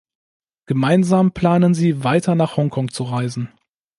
Gemeinsam planen sie, weiter nach Hongkong zu reisen.